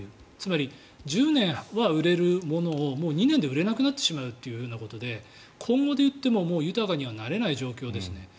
つまり１０年は売れるものをもう２年で売れなくなってしまうということで今後でいっても、もう豊かにはなれない状況ですね。